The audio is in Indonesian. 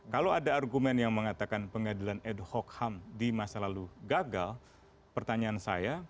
kalau ada argumen yang mengatakan pengadilan ad hoc ham di masa lalu gagal pertanyaan saya